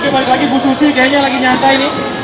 balik lagi bu susi kayaknya lagi nyata ini